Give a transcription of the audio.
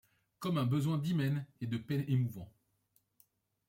Comme un besoin d’hymen et de paix émouvant